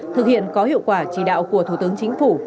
thực hiện có hiệu quả chỉ đạo của thủ tướng chính phủ